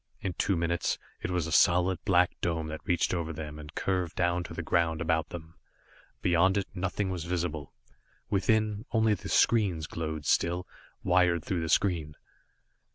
In two minutes it was a solid, black dome that reached over them and curved down to the ground about them. Beyond it, nothing was visible. Within, only the screens glowed still, wired through the screen.